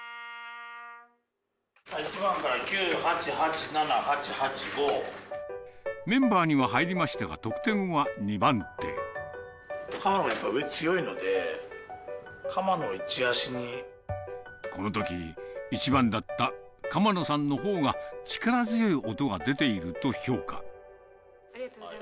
１番から、９、８、８、メンバーには入りましたが得鎌野、やっぱ上強いので、このとき、１番だった鎌野さんのほうが力強い音が出ていると評価。